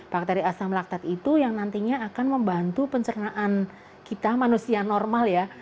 bakteri asam laktek itu yang nantinya akan membantu pencernaan kita manusia normal ya